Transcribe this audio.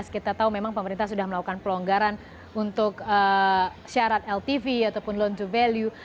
kita tahu memang pemerintah sudah melakukan pelonggaran untuk syarat ltv ataupun loan to value